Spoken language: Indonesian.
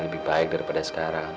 lebih baik daripada sekarang